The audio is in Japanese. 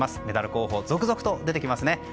メダル候補が続々と出てきますね。